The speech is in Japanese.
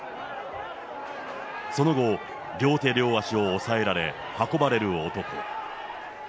その後、両手両足を押さえられ、運ばれる男。